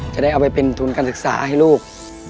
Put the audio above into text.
จะได้เอาไปเป็นทุนการศึกษาให้ลูก